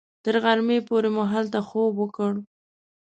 تر غرمې پورې مو هلته خوب وکړ.